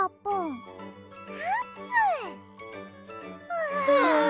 うわ。